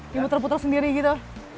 yang putar putar sendiri gitu